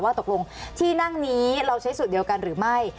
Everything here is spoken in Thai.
ตกลงที่นั่งนี้เราใช้สูตรเดียวกันหรือไม่